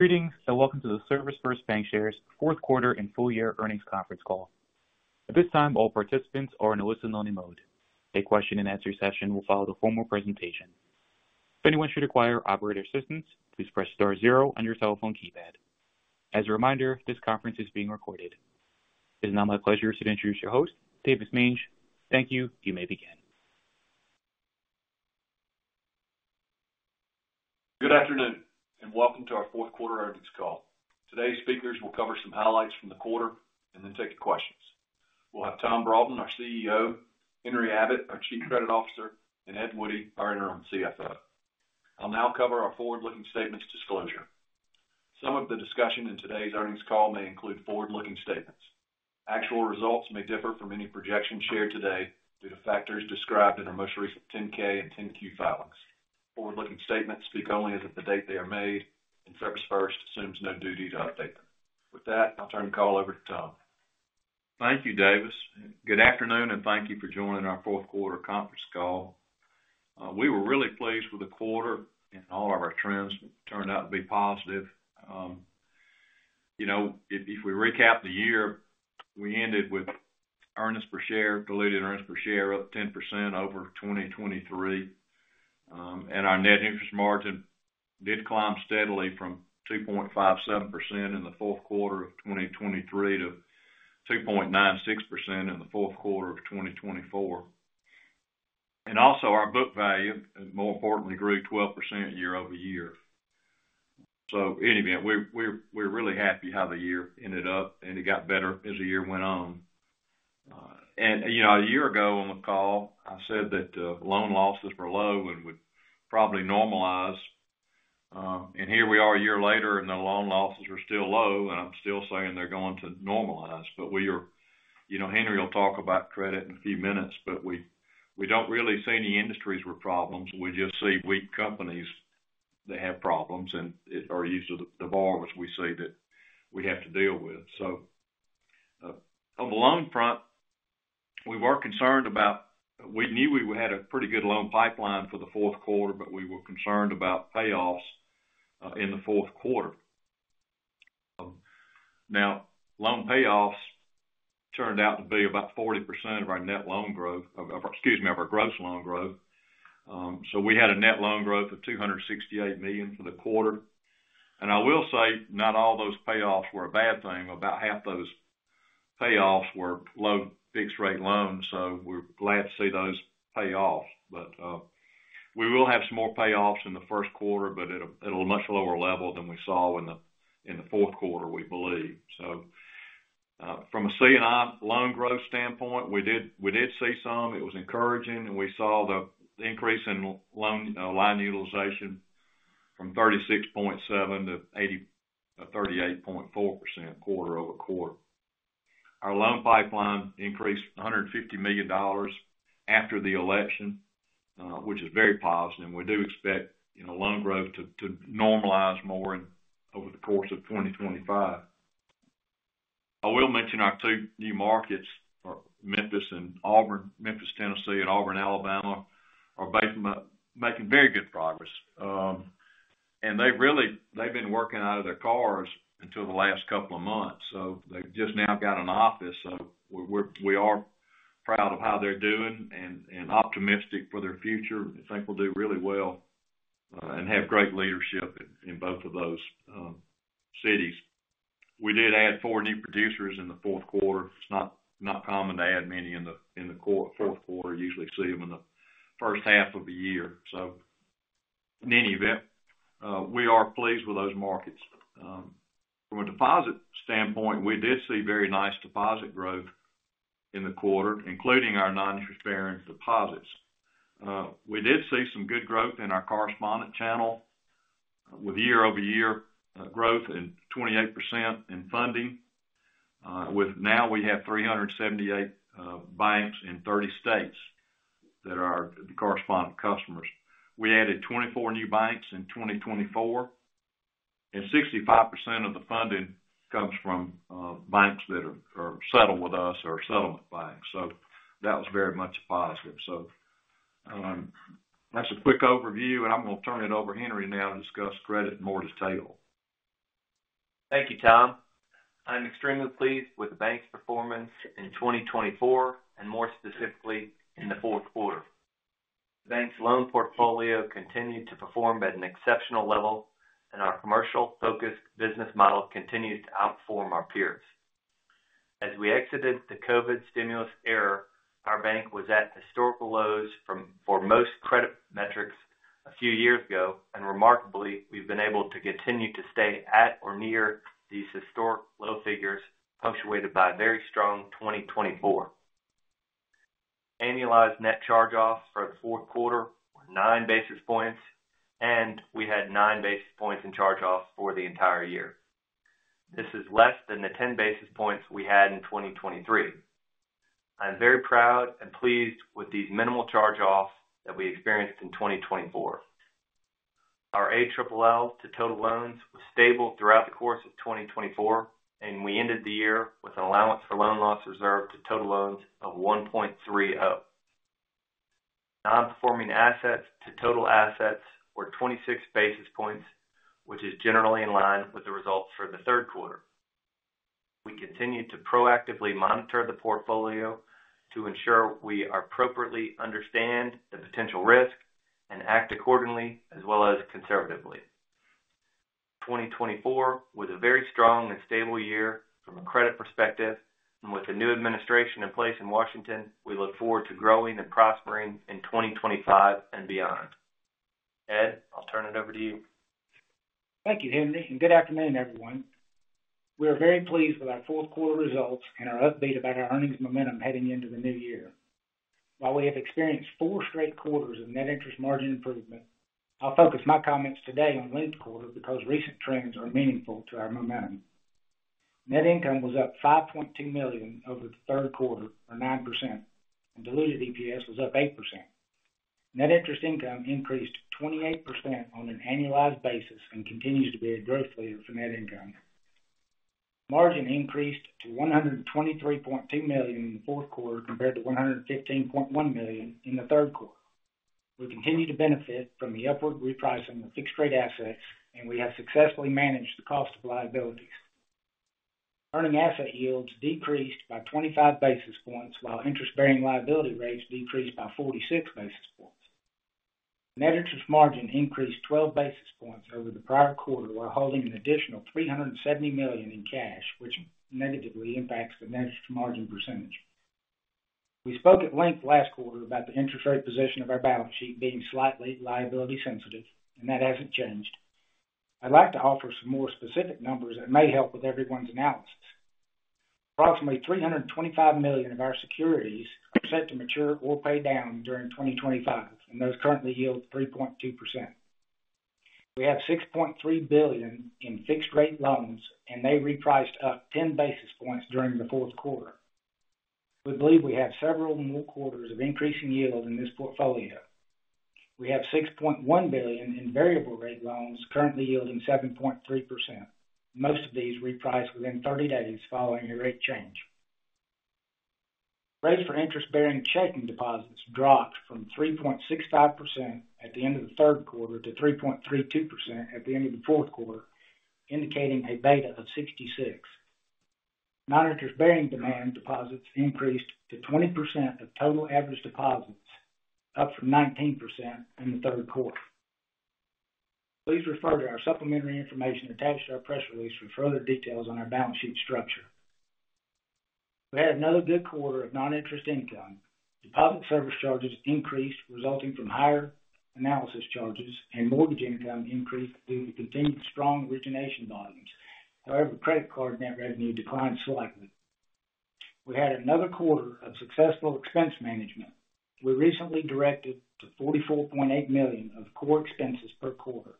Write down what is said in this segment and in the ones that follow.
Greetings, and welcome to the ServisFirst Bancshares Q4 and Full Year Earnings Conference Call. At this time, all participants are in a listen-only mode. A question-and-answer session will follow the formal presentation. If anyone should require operator assistance, please press star zero on your cell phone keypad. As a reminder, this conference is being recorded. It is now my pleasure to introduce your host, Davis Mange. Thank you. You may begin. Good afternoon, and welcome to our Q4 Earnings Call. Today's speakers will cover some highlights from the quarter and then take questions. We'll have Tom Broughton, our CEO, Henry Abbott, our Chief Credit Officer, and Ed Woodie, our Interim CFO. I'll now cover our forward-looking statements disclosure. Some of the discussion in today's earnings call may include forward-looking statements. Actual results may differ from any projections shared today due to factors described in our most recent 10-K and 10-Q filings. Forward-looking statements speak only as of the date they are made, and ServisFirst assumes no duty to update them. With that, I'll turn the call over to Tom. Thank you, Davis. Good afternoon, and thank you for joining our Q4 Conference Call. We were really pleased with the quarter, and all of our trends turned out to be positive. If we recap the year, we ended with earnings per share, diluted earnings per share up 10% over 2023, and our net interest margin did climb steadily from 2.57% in the Q4 of 2023 to 2.96% in the Q4 of 2024, and also, our book value, more importantly, grew 12% year-over-year, so in any event, we're really happy how the year ended up, and it got better as the year went on, and a year ago, on the call, I said that loan losses were low and would probably normalize, and here we are a year later, and the loan losses are still low, and I'm still saying they're going to normalize. But Henry will talk about credit in a few minutes, but we don't really see any industries with problems. We just see weak companies that have problems and are used to the borrowers we see that we have to deal with. So on the loan front, we were concerned about, we knew we had a pretty good loan pipeline for the Q4, but we were concerned about payoffs in the Q4. Now, loan payoffs turned out to be about 40% of our net loan growth, excuse me, of our gross loan growth. So we had a net loan growth of $268 million for the quarter, and I will say not all those payoffs were a bad thing. About half those payoffs were low fixed-rate loans, so we're glad to see those payoffs. But we will have some more payoffs in the Q1, but at a much lower level than we saw in the Q4, we believe. So from a C&I loan growth standpoint, we did see some. It was encouraging, and we saw the increase in loan line utilization from 36.7%-38.4% quarter-over-quarter. Our loan pipeline increased $150 million after the election, which is very positive. And we do expect loan growth to normalize more over the course of 2025. I will mention our two new markets, Memphis and Auburn. Memphis, Tennessee, and Auburn, Alabama, are making very good progress. And they've been working out of their cars until the last couple of months. So they've just now got an office. So we are proud of how they're doing and optimistic for their future. I think we'll do really well and have great leadership in both of those cities. We did add four new producers in the Q4. It's not common to add many in the Q4. Usually, you see them in the first half of the year. So in any event, we are pleased with those markets. From a deposit standpoint, we did see very nice deposit growth in the quarter, including our non-interest-bearing deposits. We did see some good growth in our correspondent channel with year-over-year growth and 28% in funding. Now we have 378 banks in 30 states that are our correspondent customers. We added 24 new banks in 2024, and 65% of the funding comes from banks that are settled with us or settlement banks. So that was very much a positive. So that's a quick overview, and I'm going to turn it over to Henry now to discuss credit in more detail. Thank you, Tom. I'm extremely pleased with the bank's performance in 2024, and more specifically in the Q4. The bank's loan portfolio continued to perform at an exceptional level, and our commercial-focused business model continues to outperform our peers. As we exited the COVID stimulus era, our bank was at historical lows for most credit metrics a few years ago, and remarkably, we've been able to continue to stay at or near these historic low figures punctuated by a very strong 2024. Annualized net charge-offs for the Q4 were nine basis points, and we had nine basis points in charge-offs for the entire year. This is less than the 10 basis points we had in 2023. I'm very proud and pleased with these minimal charge-offs that we experienced in 2024. Our ALLL to total loans was stable throughout the course of 2024, and we ended the year with an allowance for loan and lease losses to total loans of 1.30. Non-performing assets to total assets were 26 basis points, which is generally in line with the results for the Q3. We continue to proactively monitor the portfolio to ensure we appropriately understand the potential risk and act accordingly as well as conservatively. 2024 was a very strong and stable year from a credit perspective, and with the new administration in place in Washington, we look forward to growing and prospering in 2025 and beyond. Ed, I'll turn it over to you. Thank you, Henry, and good afternoon, everyone. We are very pleased with our Q4 results and our update about our earnings momentum heading into the new year. While we have experienced four straight quarters of net interest margin improvement, I'll focus my comments today on late quarter because recent trends are meaningful to our momentum. Net income was up $5.2 million over the Q3, or 9%, and diluted EPS was up 8%. Net interest income increased 28% on an annualized basis and continues to be a growth leader for net income. Margin increased to $123.2 million in the Q4 compared to $115.1 million in the Q3. We continue to benefit from the upward repricing of fixed-rate assets, and we have successfully managed the cost of liabilities. Earning asset yields decreased by 25 basis points, while interest-bearing liability rates decreased by 46 basis points. Net interest margin increased 12 basis points over the prior quarter, while holding an additional $370 million in cash, which negatively impacts the net interest margin percentage. We spoke at length last quarter about the interest rate position of our balance sheet being slightly liability sensitive, and that hasn't changed. I'd like to offer some more specific numbers that may help with everyone's analysis. Approximately $325 million of our securities are set to mature or pay down during 2025, and those currently yield 3.2%. We have $6.3 billion in fixed-rate loans, and they repriced up 10 basis points during the Q4. We believe we have several more quarters of increasing yield in this portfolio. We have $6.1 billion in variable-rate loans currently yielding 7.3%. Most of these repriced within 30 days following a rate change. Rates for interest-bearing checking deposits dropped from 3.65% at the end of the Q3 to 3.32% at the end of the Q4, indicating a beta of 66. Non-interest-bearing demand deposits increased to 20% of total average deposits, up from 19% in the Q3. Please refer to our supplementary information attached to our press release for further details on our balance sheet structure. We had another good quarter of non-interest income. Deposit service charges increased, resulting from higher analysis charges, and mortgage income increased due to continued strong origination volumes. However, credit card net revenue declined slightly. We had another quarter of successful expense management. We recently directed to $44.8 million of core expenses per quarter.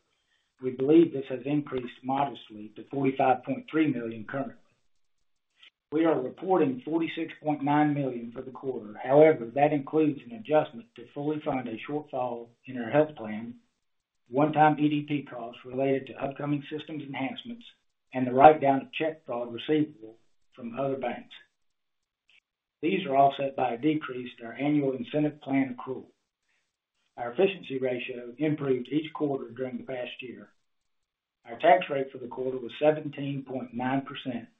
We believe this has increased modestly to $45.3 million currently. We are reporting $46.9 million for the quarter. However, that includes an adjustment to fully fund a shortfall in our health plan, one-time EDP costs related to upcoming systems enhancements, and the write-down of check fraud receivable from other banks. These are offset by a decrease in our annual incentive plan accrual. Our efficiency ratio improved each quarter during the past year. Our tax rate for the quarter was 17.9%,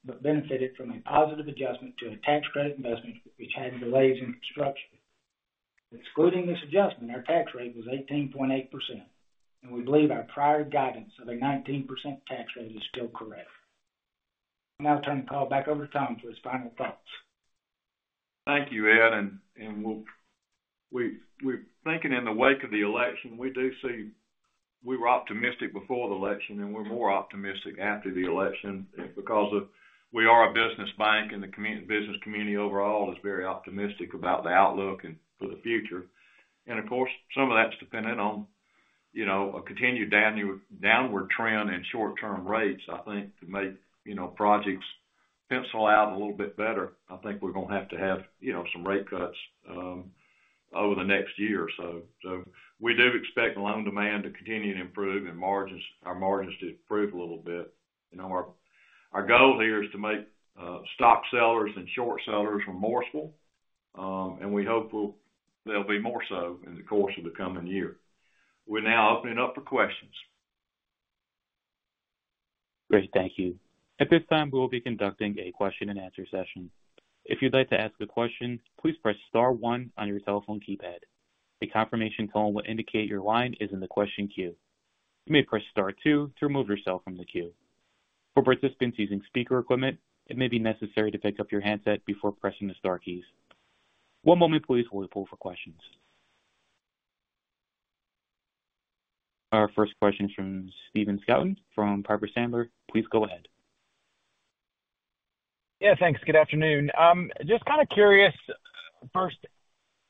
but benefited from a positive adjustment to a tax credit investment, which had delays in construction. Excluding this adjustment, our tax rate was 18.8%, and we believe our prior guidance of a 19% tax rate is still correct. I'll now turn the call back over to Tom for his final thoughts. Thank you, Ed. And we're thinking in the wake of the election, we do see we were optimistic before the election, and we're more optimistic after the election because we are a business bank, and the business community overall is very optimistic about the outlook and for the future. And of course, some of that's dependent on a continued downward trend in short-term rates, I think, to make projects pencil out a little bit better. I think we're going to have to have some rate cuts over the next year. So we do expect loan demand to continue to improve and our margins to improve a little bit. Our goal here is to make stock sellers and short sellers remorseful, and we hope there'll be more so in the course of the coming year. We're now opening up for questions. Great. Thank you. At this time, we will be conducting a question-and-answer session. If you'd like to ask a question, please press Star 1 on your cell phone keypad. A confirmation tone will indicate your line is in the question queue. You may press Star 2 to remove yourself from the queue. For participants using speaker equipment, it may be necessary to pick up your handset before pressing the Star keys. One moment, please, while we poll for questions. Our first question is from Stephen Scouten from Piper Sandler. Please go ahead. Yeah, thanks. Good afternoon. Just kind of curious, first,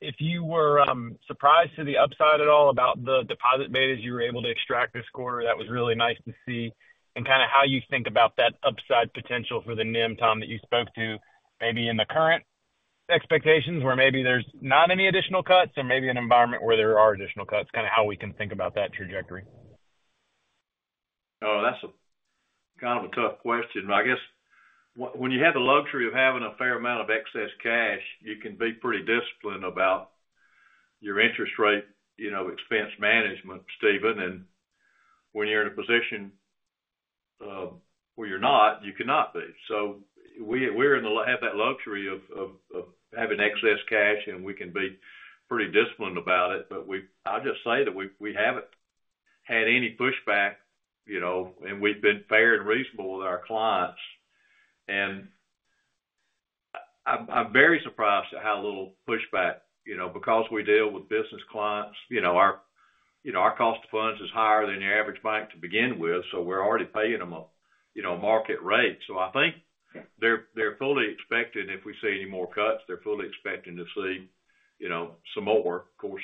if you were surprised to the upside at all about the deposit beta as you were able to extract this quarter. That was really nice to see. And kind of how you think about that upside potential for the NIM, Tom, that you spoke to, maybe in the current expectations where maybe there's not any additional cuts or maybe an environment where there are additional cuts, kind of how we can think about that trajectory. Oh, that's kind of a tough question. I guess when you have the luxury of having a fair amount of excess cash, you can be pretty disciplined about your interest rate expense management, Stephen, and when you're in a position where you're not, you cannot be, so we have that luxury of having excess cash, and we can be pretty disciplined about it, but I'll just say that we haven't had any pushback, and we've been fair and reasonable with our clients, and I'm very surprised at how little pushback because we deal with business clients. Our cost of funds is higher than your average bank to begin with, so we're already paying them a market rate, so I think they're fully expecting if we see any more cuts, they're fully expecting to see some more. Of course,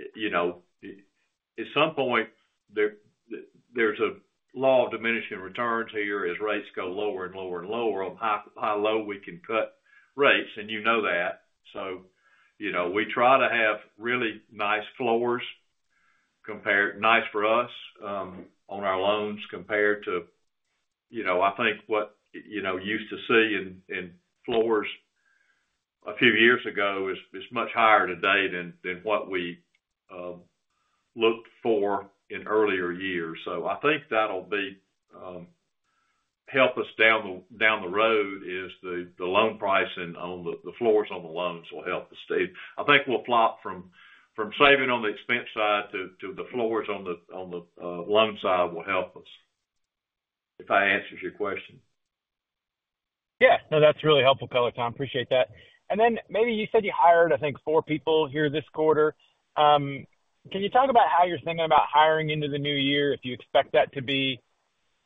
at some point, there's a law of diminishing returns here as rates go lower and lower and lower. How low we can cut rates, and you know that. So we try to have really nice floors compared to nice for us on our loans compared to I think what you used to see in floors a few years ago is much higher today than what we looked for in earlier years. So I think that'll help us down the road is the loan pricing on the floors on the loans will help us. I think we'll flop from saving on the expense side to the floors on the loan side will help us, if that answers your question. Yeah. No, that's really helpful color, Tom. Appreciate that. And then maybe you said you hired, I think, four people here this quarter. Can you talk about how you're thinking about hiring into the new year? If you expect that to be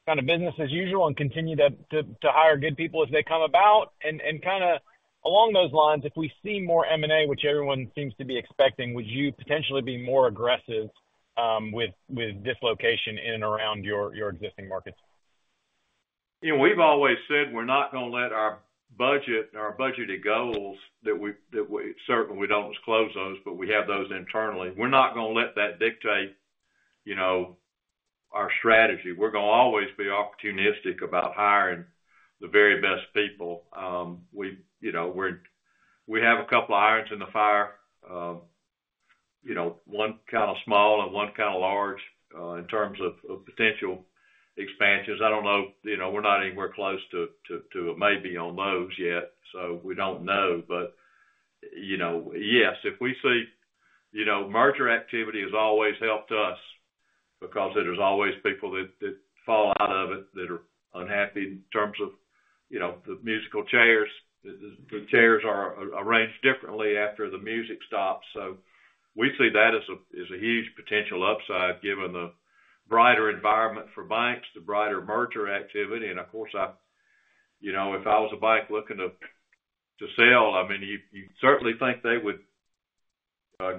kind of business as usual and continue to hire good people as they come about? And kind of along those lines, if we see more M&A, which everyone seems to be expecting, would you potentially be more aggressive with dislocation in and around your existing markets? We've always said we're not going to let our budgeted goals that we certainly don't disclose those, but we have those internally dictate our strategy. We're going to always be opportunistic about hiring the very best people. We have a couple of irons in the fire, one kind of small and one kind of large in terms of potential expansions. I don't know. We're not anywhere close to a maybe on those yet, so we don't know. But yes, if we see merger activity has always helped us because there's always people that fall out of it that are unhappy in terms of the musical chairs. The chairs are arranged differently after the music stops. So we see that as a huge potential upside given the brighter environment for banks, the brighter merger activity. Of course, if I was a bank looking to sell, I mean, you'd certainly think they would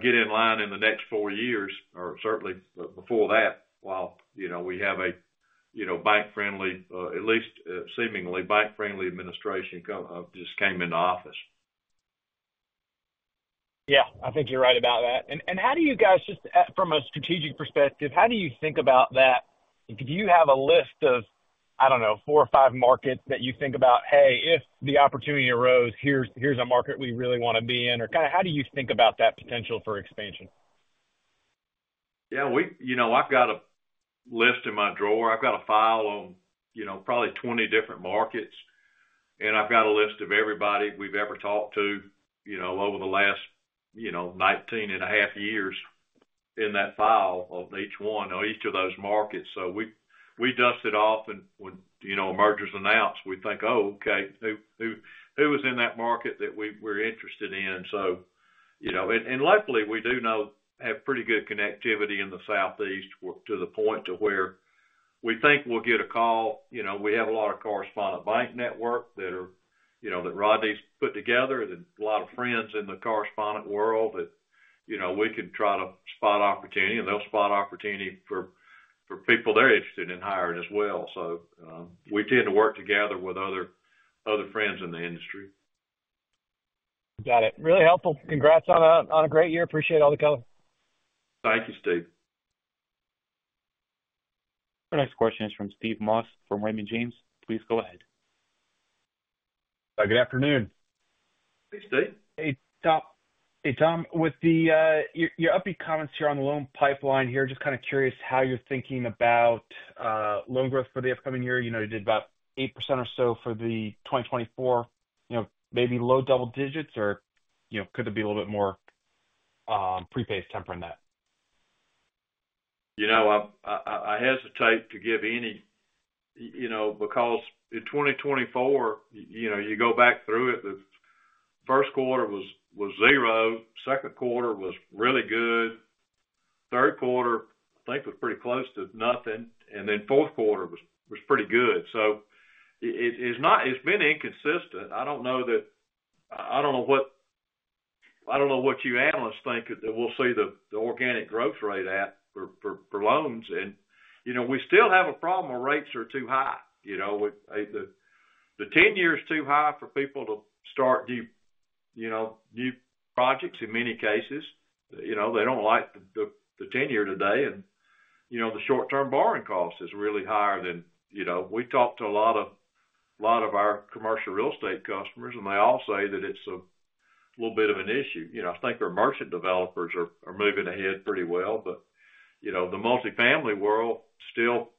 get in line in the next four years or certainly before that while we have a bank-friendly, at least seemingly bank-friendly administration just came into office. Yeah. I think you're right about that, and how do you guys just from a strategic perspective, how do you think about that? Do you have a list of, I don't know, four or five markets that you think about, "Hey, if the opportunity arose, here's a market we really want to be in?" Or kind of how do you think about that potential for expansion? Yeah. I've got a list in my drawer. I've got a file on probably 20 different markets, and I've got a list of everybody we've ever talked to over the last 19 and a half years in that file of each one of each of those markets. So we dust it off, and when a merger's announced, we think, "Oh, okay. Who is in that market that we're interested in?" And luckily, we do have pretty good connectivity in the Southeast to the point to where we think we'll get a call. We have a lot of correspondent bank network that Rodney's put together, a lot of friends in the correspondent world that we can try to spot opportunity, and they'll spot opportunity for people they're interested in hiring as well. So we tend to work together with other friends in the industry. Got it. Really helpful. Congrats on a great year. Appreciate all the color. Thank you, Steve. Our next question is from Steve Moss from Raymond James. Please go ahead. Good afternoon. Hey, Steve. Hey, Tom. With your upbeat comments here on the loan pipeline here, just kind of curious how you're thinking about loan growth for the upcoming year. You did about 8% or so for 2024, maybe low double digits, or could there be a little bit more upside potential in that? I hesitate to give any because in 2024, you go back through it. The Q1 was zero. Q2 was really good. Q3, I think, was pretty close to nothing, and then Q4 was pretty good, so it's been inconsistent. I don't know what you analysts think that we'll see the organic growth rate at for loans, and we still have a problem where rates are too high. The 10-year is too high for people to start new projects in many cases. They don't like the 10-year today, and the short-term borrowing cost is really higher than we talked to a lot of our commercial real estate customers, and they all say that it's a little bit of an issue. I think our merchant developers are moving ahead pretty well, but the multifamily world still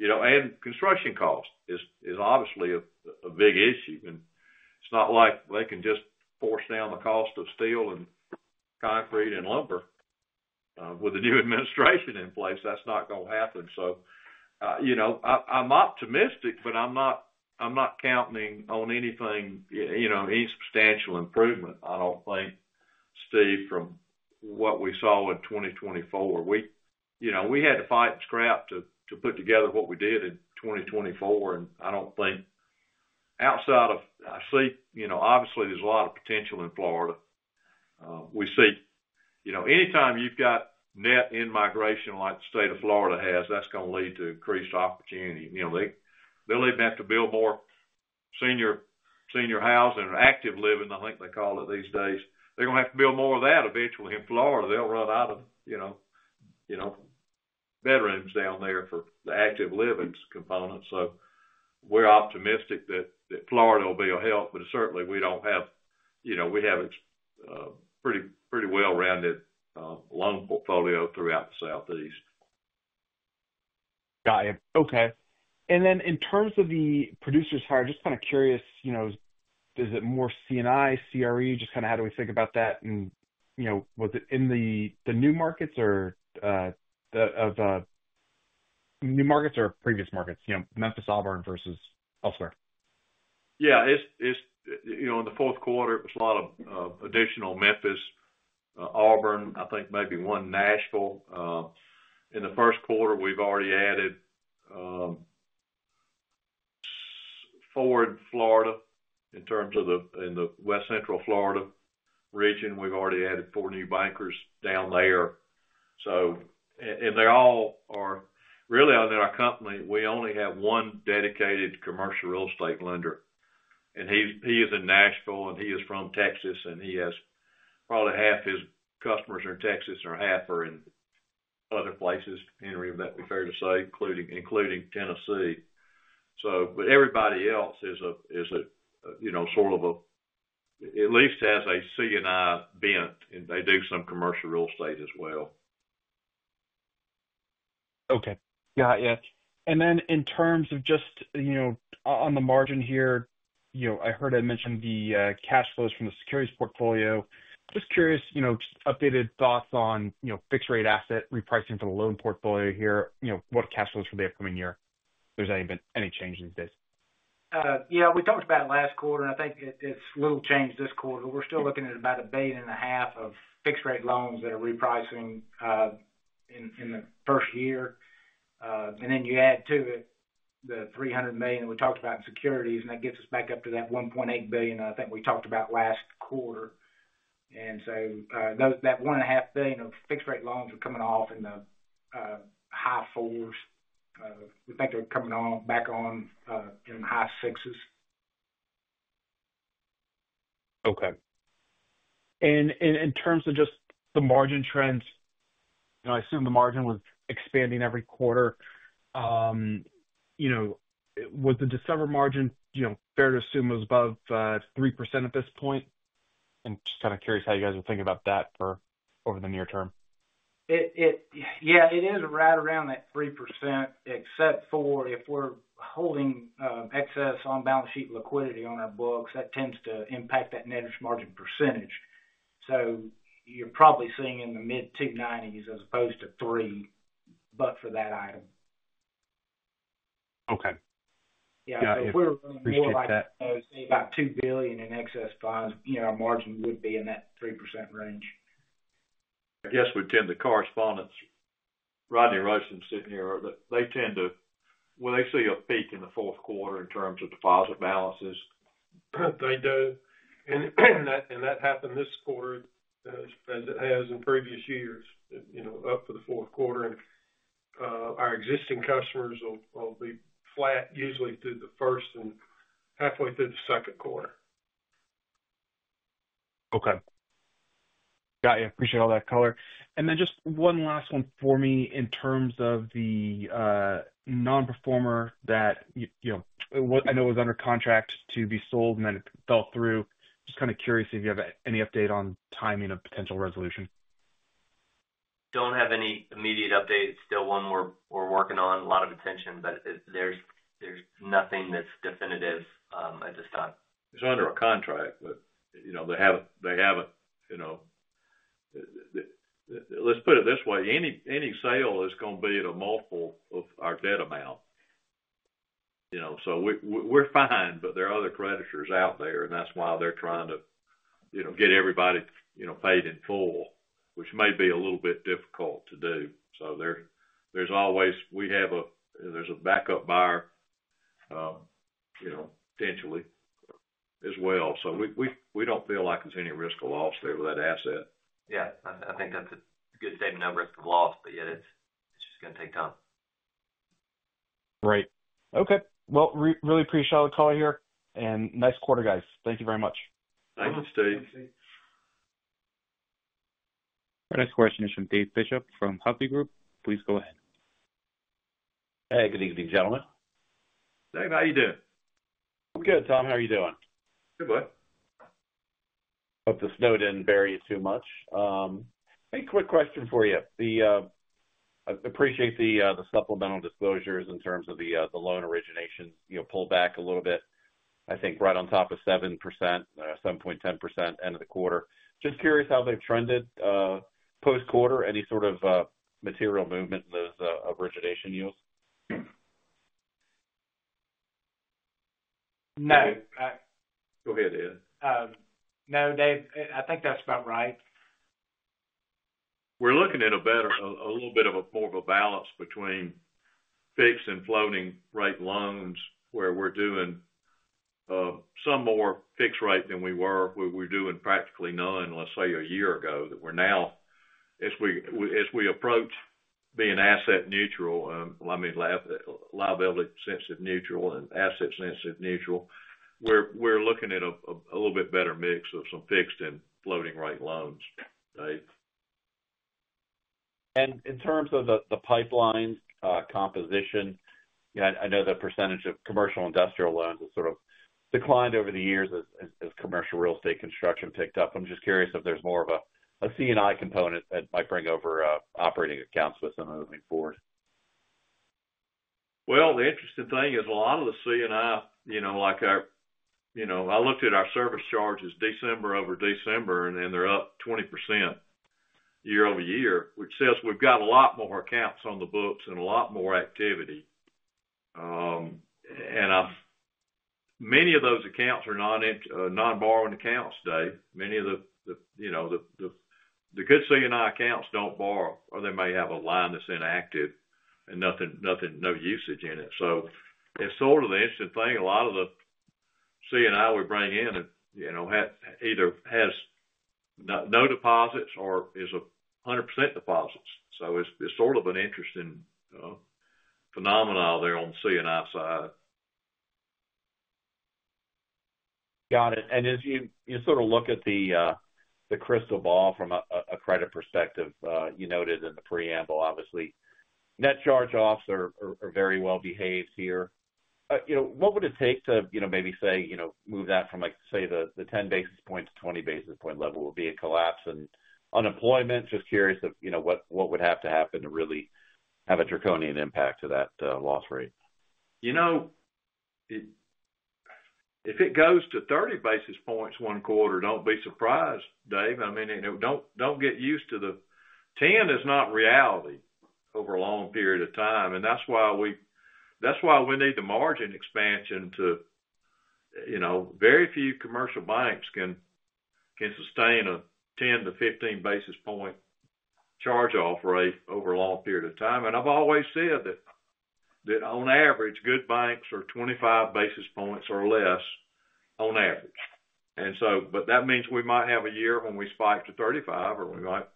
and construction cost is obviously a big issue. And it's not like they can just force down the cost of steel and concrete and lumber with the new administration in place. That's not going to happen. So I'm optimistic, but I'm not counting on anything, any substantial improvement, I don't think, Steve, from what we saw in 2024. We had to fight and scrap to put together what we did in 2024. And I don't think outside of I see, obviously, there's a lot of potential in Florida. We see anytime you've got net in migration like the state of Florida has, that's going to lead to increased opportunity. They'll even have to build more senior housing or active living, I think they call it these days. They're going to have to build more of that eventually in Florida. They'll run out of bedrooms down there for the active living component, so we're optimistic that Florida will be a help, but certainly, we have a pretty well-rounded loan portfolio throughout the Southeast. Got it. Okay. And then in terms of the producers hired, just kind of curious, is it more C&I, CRE, just kind of how do we think about that? And was it in the new markets or of new markets or previous markets, Memphis, Auburn versus elsewhere? Yeah. In the Q4, it was a lot of additional Memphis, Auburn. I think maybe one Nashville. In the Q1, we've already added four in Florida, in terms of the West Central Florida region. We've already added four new bankers down there. And they all are really on our company. We only have one dedicated commercial real estate lender. And he is in Nashville, and he is from Texas. And he has probably half his customers in Texas and half are in other places, Henry, if that would be fair to say, including Tennessee. But everybody else is sort of at least has a C&I bent, and they do some commercial real estate as well. Okay. Got it. And then in terms of just on the margin here, I heard I mentioned the cash flows from the securities portfolio. Just curious, updated thoughts on fixed-rate asset repricing for the loan portfolio here, what cash flows for the upcoming year? If there's any change in these days. Yeah. We talked about it last quarter, and I think it's a little changed this quarter. But we're still looking at about $1.5 billion of fixed-rate loans that are repricing in the first year. And then you add to it the $300 million that we talked about in securities, and that gets us back up to that $1.8 billion I think we talked about last quarter. And so that $1.5 billion of fixed-rate loans are coming off in the high fours. We think they're coming back on in high sixes. Okay. And in terms of just the margin trends, I assume the margin was expanding every quarter. Was the December margin fair to assume was above 3% at this point? And just kind of curious how you guys are thinking about that for over the near term. Yeah. It is right around that 3%, except for if we're holding excess on-balance sheet liquidity on our books, that tends to impact that net margin percentage. So you're probably seeing in the mid-290s as opposed to 3, but for that item. Okay. Got it. Yeah. So if we were running more like, say, about $2 billion in excess funds, our margin would be in that 3% range. I guess we tend to correspondent. Rodney Rushing sitting here, they tend to when they see a peak in the Q4 in terms of deposit balances. They do. And that happened this quarter as it has in previous years, up for the Q4. And our existing customers will be flat usually through the first and halfway through the Q2. Okay. Got it. Appreciate all that color. And then just one last one for me in terms of the non-performing that I know was under contract to be sold and then fell through. Just kind of curious if you have any update on timing of potential resolution? Don't have any immediate update. It's still one we're working on. A lot of attention, but there's nothing that's definitive at this time. It's under a contract, but they have, let's put it this way, any sale is going to be at a multiple of our debt amount. So we're fine, but there are other creditors out there, and that's why they're trying to get everybody paid in full, which may be a little bit difficult to do. So we have a backup buyer potentially as well. So we don't feel like there's any risk of loss there with that asset. Yeah. I think that's a good statement of risk of loss, but yeah, it's just going to take time. Right. Okay, well, really appreciate all the call here, and nice quarter, guys. Thank you very much. Thank you, Steve. Our next question is from Dave Bishop from Hovde Group. Please go ahead. Hey, good evening, gentlemen. Dave, how are you doing? I'm good, Tom. How are you doing? Good, bud. Hope the snow didn't bury you too much. Hey, quick question for you. I appreciate the supplemental disclosures in terms of the loan origination pulled back a little bit, I think right on top of 7.10% end of the quarter. Just curious how they've trended post-quarter, any sort of material movement in those origination yields? No. Go ahead, Ed. No, Dave. I think that's about right. We're looking at a little bit of a more of a balance between fixed and floating rate loans where we're doing some more fixed rate than we were. We were doing practically none, let's say, a year ago. That we're now, as we approach being asset neutral, I mean, liability-sensitive neutral and asset-sensitive neutral, we're looking at a little bit better mix of some fixed and floating rate loans, Dave. In terms of the pipeline composition, I know the percentage of commercial industrial loans has sort of declined over the years as commercial real estate construction picked up. I'm just curious if there's more of a C&I component that might bring over operating accounts with them moving forward. The interesting thing is a lot of the C&I, like, I looked at our service charges December over December, and then they're up 20% year-over-year, which says we've got a lot more accounts on the books and a lot more activity. Many of those accounts are non-borrowing accounts, Dave. Many of the good C&I accounts don't borrow, or they may have a line that's inactive and no usage in it. It's sort of the interesting thing. A lot of the C&I we bring in either has no deposits or is 100% deposits. It's sort of an interesting phenomenon out there on the C&I side. Got it. And as you sort of look at the crystal ball from a credit perspective, you noted in the preamble, obviously, net charge-offs are very well-behaved here. What would it take to maybe say move that from, say, the 10 basis points to 20 basis points level would be a collapse in unemployment? Just curious of what would have to happen to really have a draconian impact to that loss rate. If it goes to 30 basis points one quarter, don't be surprised, Dave. I mean, don't get used to the 10. It is not reality over a long period of time. And that's why we need the margin expansion too. Very few commercial banks can sustain a 10-15 basis point charge-off rate over a long period of time. And I've always said that on average, good banks are 25 basis points or less on average. And so, but that means we might have a year when we spike to 35, or we might.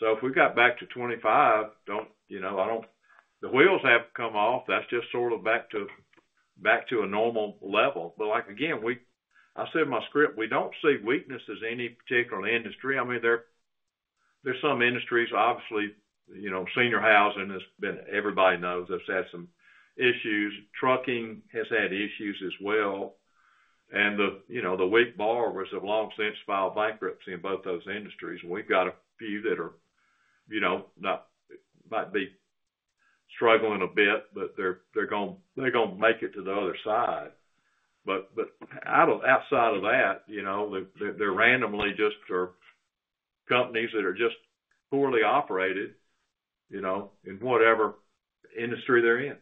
So if we got back to 25, I don't think the wheels haven't come off. That's just sort of back to a normal level. But again, I said in my script, we don't see weaknesses in any particular industry. I mean, there's some industries, obviously, senior housing has been, everybody knows, has had some issues. Trucking has had issues as well. And the weak borrowers have long since filed bankruptcy in both those industries. And we've got a few that might be struggling a bit, but they're going to make it to the other side. But outside of that, they're randomly just companies that are just poorly operated in whatever industry they're in.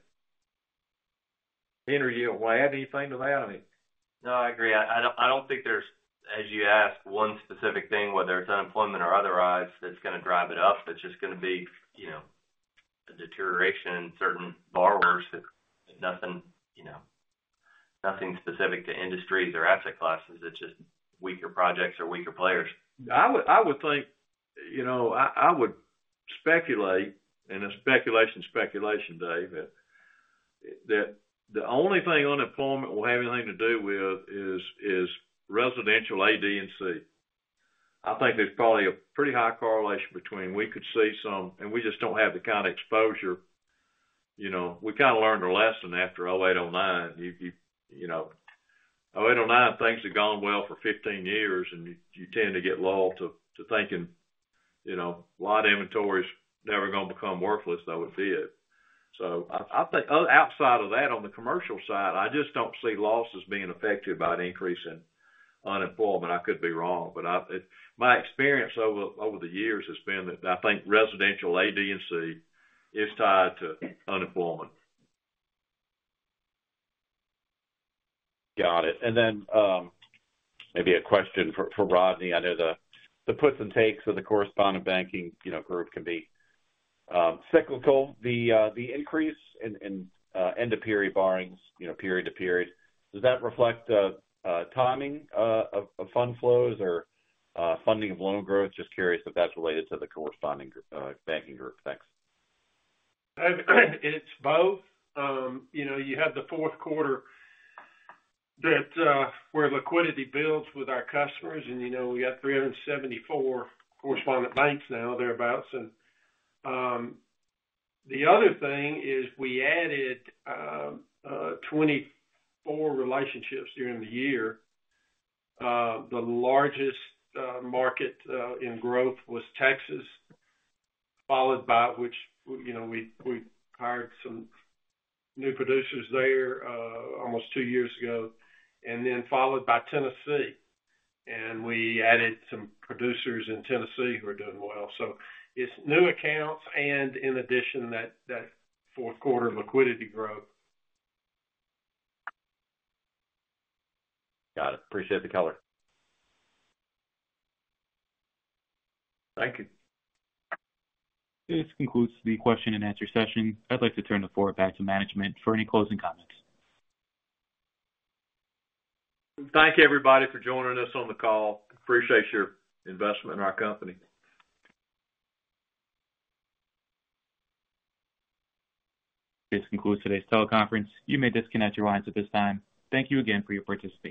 Henry, do you want to add anything to that? No, I agree. I don't think there's, as you asked, one specific thing, whether it's unemployment or otherwise, that's going to drive it up. It's just going to be a deterioration in certain borrowers. Nothing specific to industries or asset classes. It's just weaker projects or weaker players. I would speculate in a speculation, Dave, that the only thing unemployment will have anything to do with is residential A, D, and C. I think there's probably a pretty high correlation between we could see some, and we just don't have the kind of exposure. We kind of learned our lesson after 2008-2009. 2008-2009, things have gone well for 15 years, and you tend to get complacent thinking a lot of inventory is never going to become worthless though it did. So I think outside of that, on the commercial side, I just don't see losses being affected by the increase in unemployment. I could be wrong, but my experience over the years has been that I think residential A, D, and C is tied to unemployment. Got it. And then maybe a question for Rodney. I know the puts and takes of the correspondent banking group can be cyclical. The increase in end-of-period borrowings, period to period, does that reflect timing of fund flows or funding of loan growth? Just curious if that's related to the correspondent banking group. Thanks. It's both. You have the Q4 where liquidity builds with our customers, and we got 374 correspondent banks now, thereabouts, and the other thing is we added 24 relationships during the year. The largest market in growth was Texas, followed by which we hired some new producers there almost two years ago, and then followed by Tennessee, and we added some producers in Tennessee who are doing well, so it's new accounts and, in addition, that Q4 liquidity growth. Got it. Appreciate the color. Thank you. This concludes the question and answer session. I'd like to turn the floor back to management for any closing comments. Thank you, everybody, for joining us on the call. Appreciate your investment in our company. This concludes today's teleconference. You may disconnect your lines at this time. Thank you again for your participation.